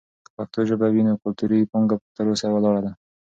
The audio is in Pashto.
که پښتو ژبه وي، نو کلتوري پانګه تر اوسه ولاړه ده.